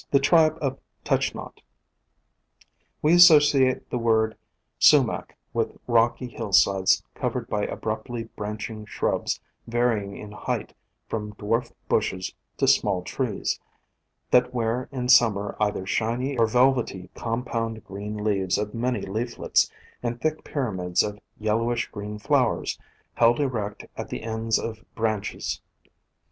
THE TRIBE OF "TOUCH NOT" We associate the word Sumac with rocky hill sides covered by abruptly branching shrubs varying in height from dwarf bushes to small trees, that wear in Summer either shiny or velvety compound green leaves of many leaflets, and thick pyramids of yel lowish green flowers, held erect at the ends of branches.